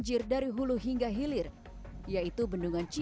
ter savez sebagian tomat sebagai pel